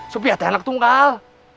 sophia tak anak tunggal